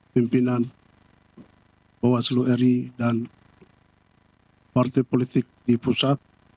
pimpinan bawaslu ri dan partai politik di pusat